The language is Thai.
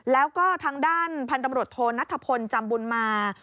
แล้วก็ทางด้านพันธุ์ตำรวจโทนัทพลจำบุญมา